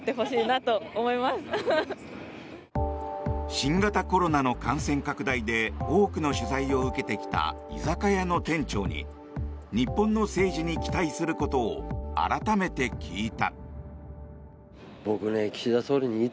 新型コロナの感染拡大で多くの取材を受けてきた居酒屋の店長に日本の政治に期待することを改めて聞いた。